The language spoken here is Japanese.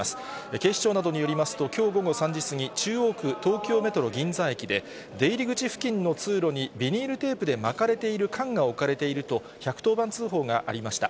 警視庁などによりますと、きょう午後３時過ぎ、中央区東京メトロ銀座駅で、出入り口付近の通路にビニールテープで巻かれている缶が置かれていると、１１０番通報がありました。